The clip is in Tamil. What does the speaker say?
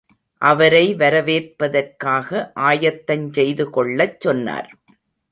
அவரை வரவேற்பதற்காக ஆயத்தஞ் செய்துகொள்ளச் சொன்னார்.